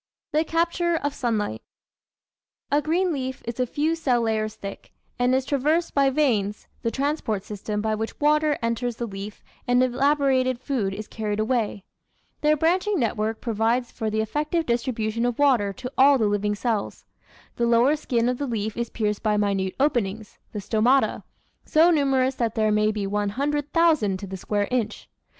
The Capture of Sunlight A green leaf is a few cell layers thick, and is traversed by veins, the transport system by which water enters the leaf and elaborated food is carried away. Their branching network pro Natural History 607 vides for the effective distribution of water to all the living cells. The lower skin of the leaf is pierced by minute openings the stomata so numerous that there may be one hundred thousand to the square inch.